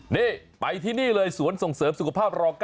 นี่ไปที่นี่เลยสวนส่งเสริมสุขภาพรอง๙